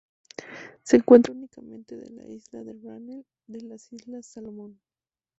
Se encuentra únicamente de la isla de Rennell, de las Islas Salomón.